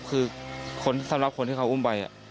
คือคนสำหรับคนที่เขาอุ้มไป